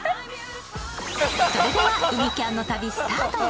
それでは海キャンの旅スタート。